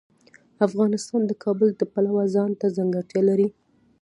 افغانستان د کابل د پلوه ځانته ځانګړتیا لري.